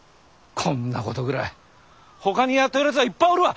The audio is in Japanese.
こんなことぐらいほかにやっとるやつはいっぱいおるわ！